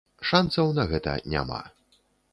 Шанцаў на гэта няма.